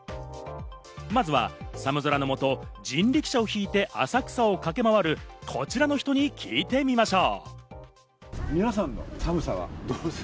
まずは寒空の下、人力車をひいて浅草を駆け回るこちらの人に聞いてみましょう。